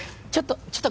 ちょっと。